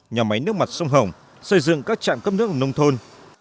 nhà máy nước mặt sông hồng xây dựng các trạm cấp nước nông thôn